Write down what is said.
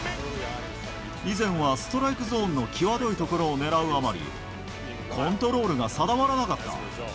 以前はストライクゾーンの際どい所を狙うあまり、コントロールが定まらなかった。